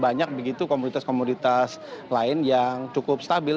dan banyak begitu komoditas komoditas lain yang cukup stabil